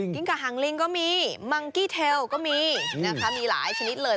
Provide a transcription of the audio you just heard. กะหางลิงก็มีมังกี้เทลก็มีนะคะมีหลายชนิดเลย